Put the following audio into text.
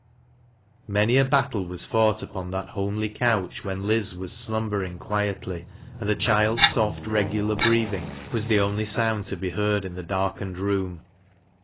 Many a battle was fought upon that homely couch when Liz was slumbering quietly, and the child's soft regulai breathing was the only sound to be heard in the dark ened room.